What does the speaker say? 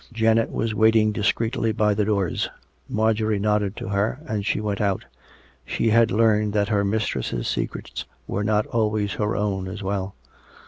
Janet was waiting discreetly by the doors. Marjorie nodded to her, and she went out; she had learned that her mistress's secrets were not always her own as well.